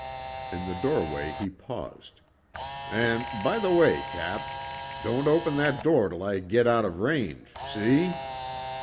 In the doorway he paused, "An', by the way, Cap. Don't open that door till I git out of range see?"